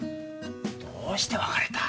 どうして別れた？